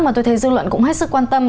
mà tôi thấy dư luận cũng hết sức quan tâm